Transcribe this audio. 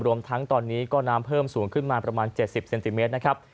รวมทั้งตอนนี้ก็น้ำเพิ่มสูงขึ้นมาประมาณ๗๐เซนติเมตรนะครับ